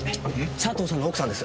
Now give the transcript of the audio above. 佐藤さんの奥さんです。